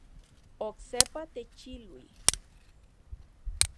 Oksepa techilui